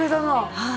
はい。